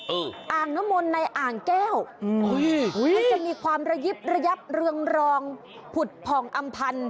อ่างน้ำมนต์ในอ่างแก้วมันจะมีความระยิบระยับเรืองรองผุดผ่องอำพันธ์